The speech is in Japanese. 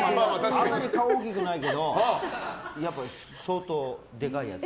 あんなに顔大きくないけど相当デカいやつ。